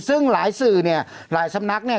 ซึ่งหลายสื่อเนี่ยหลายสำนักเนี่ย